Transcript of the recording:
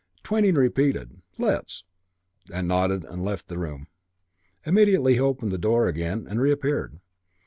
Twyning repeated "Let's" and nodded and left the room. Immediately he opened the door again and reappeared.